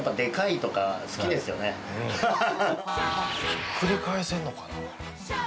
ひっくり返せるのかな？